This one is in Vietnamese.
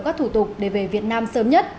các thủ tục để vệ sinh